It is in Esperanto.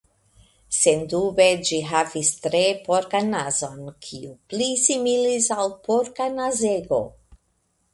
Sendube ĝi havis tre porkan nazon, kiu pli similis al porka nazego.